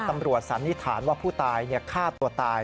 สันนิษฐานว่าผู้ตายฆ่าตัวตาย